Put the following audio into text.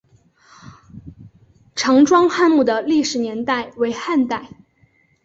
常庄汉墓的历史年代为汉代。